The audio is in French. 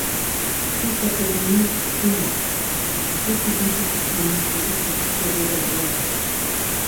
Toute l'Académie s'y met, puisque toutes les institutions moscovites disposaient d'ordinateurs.